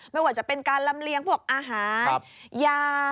ไม่ว่าจะเป็นการลำเลียงพวกอาหารยา